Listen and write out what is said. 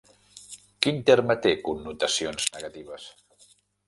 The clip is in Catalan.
Quin terme té connotacions negatives?